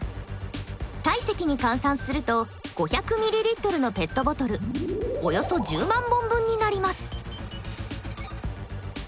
体積に換算すると５００ｍｌのペットボトルおよそ１０万本分になります。